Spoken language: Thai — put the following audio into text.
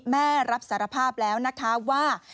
รับสารภาพแล้วนะคะว่า